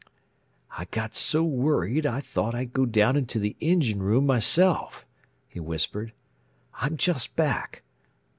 "I got so worried I thought I'd go down into the engine room myself," he whispered. "I'm just back.